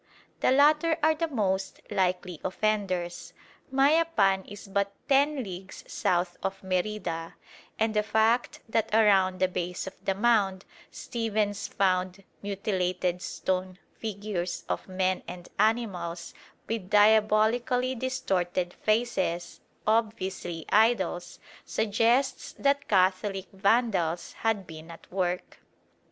The latter are the most likely offenders. Mayapan is but ten leagues south of Merida, and the fact that around the base of the mound Stephens found mutilated stone figures of men and animals with diabolically distorted faces, obviously idols, suggests that Catholic vandals had been at work.